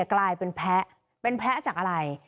กลายเป็นแพ้เป็นแพ้จากอะไร